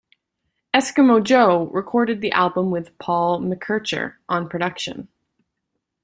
Eskimo Joe recorded the album with Paul McKercher on production.